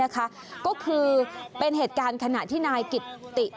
ก็คือเป็นเหตุการณ์ขณะที่นายกิตติ